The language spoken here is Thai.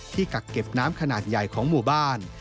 กักเก็บน้ำขนาดใหญ่ของหมู่บ้าน